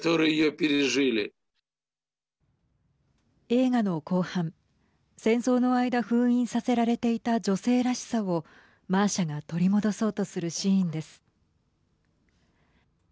映画の後半戦争の間、封印させられていた女性らしさをマーシャが取り戻そうとするシーンです。